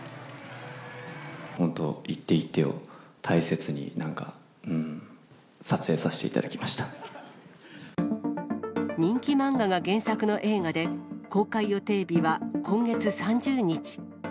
本当、一手一手を大切に、なんか、人気漫画が原作の映画で、公開予定日は今月３０日。